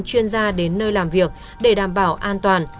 chuyên gia đến nơi làm việc để đảm bảo an toàn